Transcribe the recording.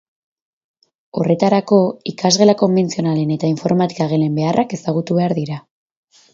Horretarako, ikasgela konbentzionalen eta informatika-gelen beharrak ezagutu behar dira.